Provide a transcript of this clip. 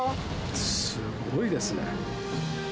すごいですね。